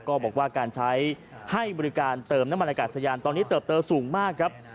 ก็บอกว่าการใช้ให้บริการเติมน้ำมันอากาศยานตอนนี้เติบโตสูงมากครับ